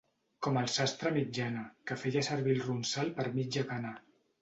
Com el sastre Mitjana, que feia servir el ronsal per mitja cana.